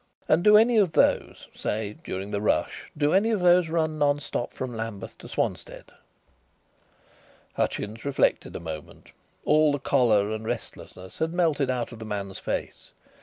"And do any of those say, during the rush do any of those run non stop from Lambeth to Swanstead?" Hutchins reflected a moment. All the choler and restlessness had melted out of the man's face.